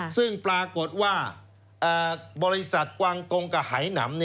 ซึ่งปรากฏว่าบริษัทกวางกงกับหายหนำ